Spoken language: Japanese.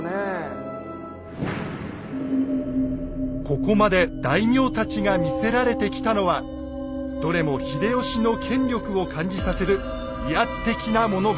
ここまで大名たちが見せられてきたのはどれも秀吉の権力を感じさせる威圧的なものばかり。